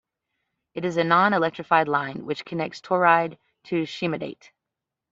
It is a non-electrified line which connects Toride to Shimodate.